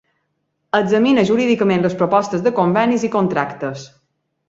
Examina jurídicament les propostes de convenis i contractes.